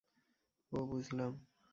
ও, বুঝলাম।